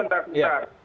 jadi sebentar sebentar